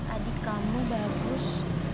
adik kamu bagus